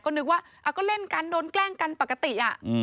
ก็นึกว่าก็เล่นกันโดนแกล้งกันปกติ